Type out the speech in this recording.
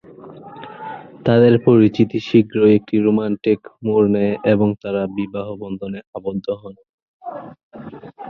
তাদের পরিচিতি শীঘ্রই একটি রোম্যান্টিক মোড় নেয় এবং তারা বিবাহবন্ধনে আবদ্ধ হন।